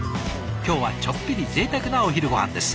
今日はちょっぴりぜいたくなお昼ごはんです。